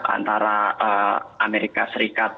antara amerika serikat